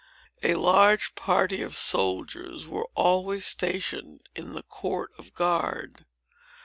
A large party of soldiers were always stationed in the court of guard.